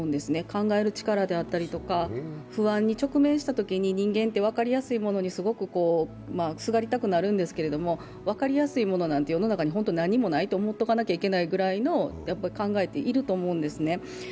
考える力であったりとか不安に直面したときに人間って分かりやすいものにすがりたくなるんですけど、分かりやすいものなんて世の中に何もないというくらい考えっていると思うんですね。